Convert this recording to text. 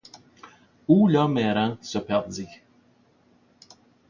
Où l'homme errant se perdit ;